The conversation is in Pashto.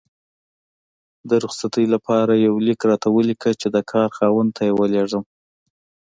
د رخصتي لپاره یو لیک راته ولیکه چې د کار خاوند ته یې ولیږم